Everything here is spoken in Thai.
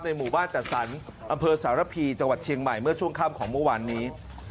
หมู่บ้านจัดสรรอำเภอสารพีจังหวัดเชียงใหม่เมื่อช่วงค่ำของเมื่อวานนี้